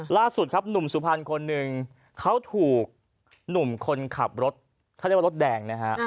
ล่าสุดครับหนุ่มสุพรรณคนหนึ่งเขาถูกหนุ่มคนขับรถเขาเรียกว่ารถแดงนะฮะ